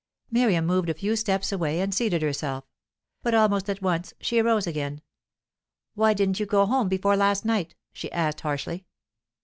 Miriam moved a few steps away and seated herself. But almost at once she arose again. "Why didn't you go home before last night?" she asked harshly.